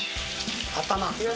頭。